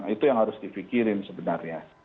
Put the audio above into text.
itu yang harus difikirin sebenarnya